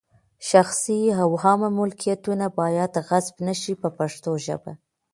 شخصي او عامه ملکیتونه باید غصب نه شي په پښتو ژبه.